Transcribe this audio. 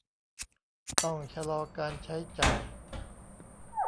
ต้องชะลอการใช้จ่าย